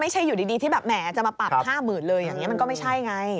จะมาปรับ๕๐๐๐๐บาทเลยอย่างนี้มันก็ไม่ใช่ไง